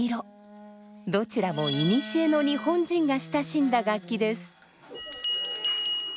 どちらも古の日本人が親しんだ楽器です。